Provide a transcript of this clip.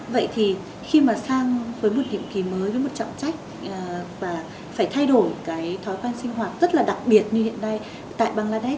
vậy thì khi mà sang với một nhiệm kỳ mới với một trọng trách và phải thay đổi cái thói quen sinh hoạt rất là đặc biệt như hiện nay tại bangladesh